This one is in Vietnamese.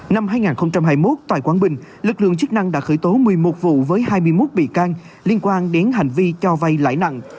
năm hai nghìn hai mươi một tại quảng bình lực lượng chức năng đã khởi tố một mươi một vụ với hai mươi một bị can liên quan đến hành vi cho vay lãi nặng